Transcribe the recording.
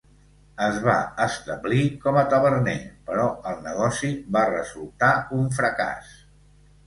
Es va establir com a taverner, però el negoci va resultar un fracàs.